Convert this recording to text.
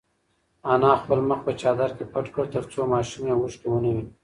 انا خپل مخ په چادر کې پټ کړ ترڅو ماشوم یې اوښکې ونه ویني.